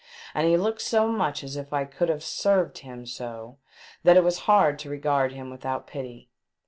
And he looked so much as if I could have served him so that it was hard to regard him v/ithout pity.